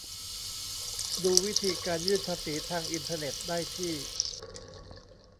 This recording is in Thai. ดูวิธีการยื่นภาษีทางอินเทอร์เน็ตได้ที่